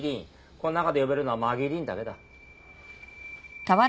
この中で呼べるのはマギー・リンだけだ。